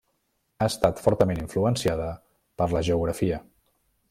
Ha estat fortament influenciada per la geografia.